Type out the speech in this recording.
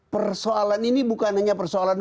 persoalan ini bukan hanya persoalan